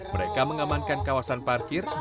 mereka mengamankan kawasan parkir